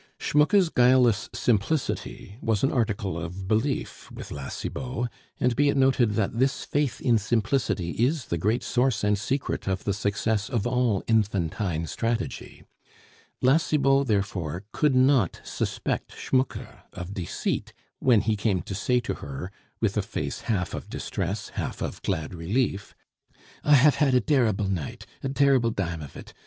Schmucke's guileless simplicity was an article of belief with La Cibot (and be it noted that this faith in simplicity is the great source and secret of the success of all infantine strategy); La Cibot, therefore, could not suspect Schmucke of deceit when he came to say to her, with a face half of distress, half of glad relief: "I haf had a derrible night! a derrible dime of it!